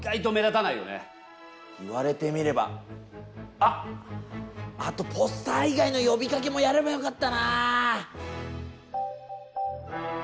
あっあとポスター以外の呼びかけもやればよかったな。